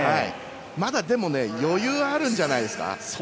まだ余裕があるんじゃないんですか。